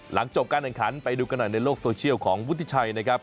หลังจบการแข่งขันไปดูกันหน่อยในโลกโซเชียลของวุฒิชัยนะครับ